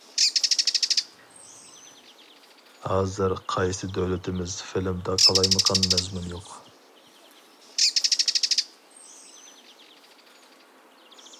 ھازىر قايسى دۆلىتىمىز فىلىمدا قالايمىقان مەزمۇن يوق.